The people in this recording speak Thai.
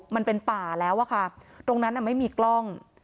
มันเป็นป่าแล้วอะค่ะตรงนั้นไม่มีกล้อง